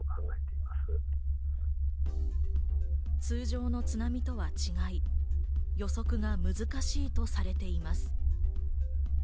通常の津波とは違い、予測が難しいとされています。